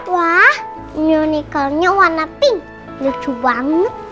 wah unionikalnya warna pink lucu banget